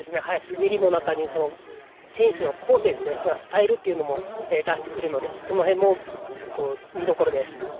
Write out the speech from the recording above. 滑りの中に選手の個性スタイルというのも出してくるのでその辺も見どころです。